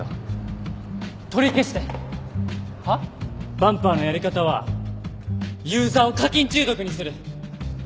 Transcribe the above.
バンパーのやり方はユーザーを課金中毒にする！